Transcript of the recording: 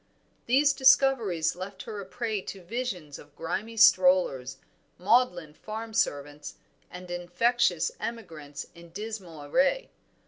These discoveries left her a prey to visions of grimy strollers, maudlin farm servants, and infectious emigrants in dismal array.